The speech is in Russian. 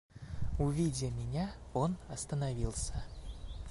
Увидя меня, он остановился.